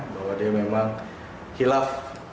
bahwa dia memang hilaf